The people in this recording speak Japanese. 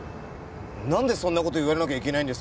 なんでそんな事言われなきゃいけないんですか。